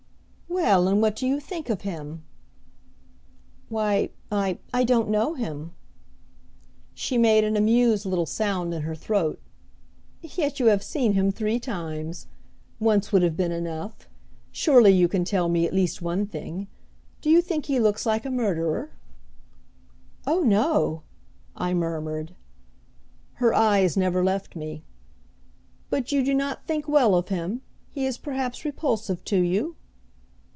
"Well, and what do you think of him?" "Why I I don't know him." She made an amused little sound in her throat. "Yet you have seen him three times. Once would have been enough. Surely you can tell me at least one thing do you think he looks like a murderer?" "Oh, no!" I murmured. Her eyes never left me. "But you do not think well of him; he is perhaps repulsive to you?"